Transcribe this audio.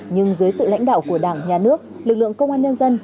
nhưng dưới sự lãnh đạo của đảng nhà nước lực lượng công an nhân dân